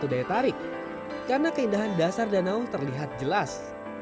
danau air asin wekuri adalah salah satu daya tarik karena keindahan dasar danau terlihat jelas